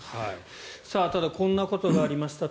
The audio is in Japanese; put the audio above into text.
ただ、こんなことがありました。